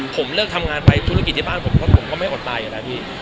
ผมเลิกทำงานไปธุรกิจที่บ้านผมก็ไม่อดตายอยู่แล้วพี่